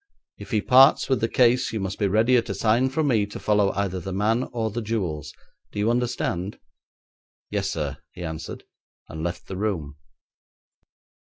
If he parts with the case you must be ready at a sign from me to follow either the man or the jewels. Do you understand?' 'Yes, sir,' he answered, and left the room.